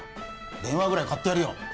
電話ぐらい買ってやるよ